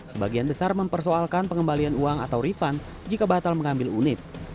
sebagian besar mempersoalkan pengembalian uang atau refund jika batal mengambil unit